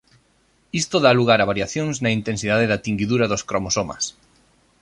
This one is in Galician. Isto dá lugar a variacións na intensidade de tinguidura dos cromosomas.